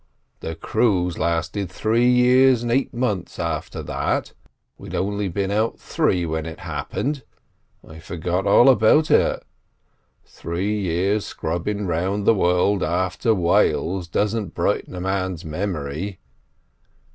The cruise lasted three years and eight months after that; we'd only been out three when it happened. I forgot all about it: three years scrubbing round the world after whales doesn't brighten a man's memory.